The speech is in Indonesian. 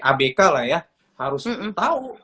abk lah ya harus tahu